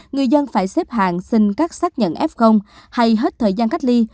người dân phải xếp hàng xin các xác nhận f hay hết thời gian cách ly